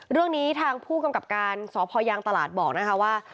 เรื่องนี้ทางผู้กำกับการสพยางตลาดบอกนะคะว่า